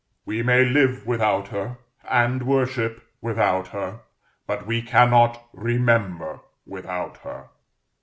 We may live without her, and worship without her, but we cannot remember without her.